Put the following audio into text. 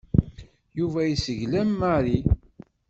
Yuba yesseglem Mary.